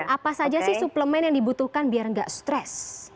apa saja sih suplemen yang dibutuhkan biar tidak stress